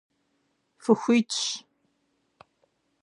Фыхуитщ.